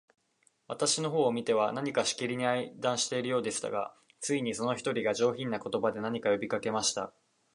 私の方を見ては、何かしきりに相談しているようでしたが、ついに、その一人が、上品な言葉で、何か呼びかけました。